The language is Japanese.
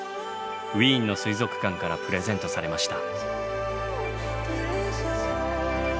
ウィーンの水族館からプレゼントされました。